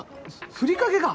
ふりかけか！